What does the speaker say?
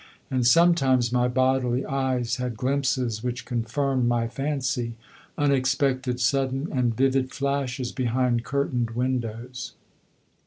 And sometimes my bodily eyes had glimpses which confirmed my fancy unexpected, sudden and vivid flashes behind curtained windows.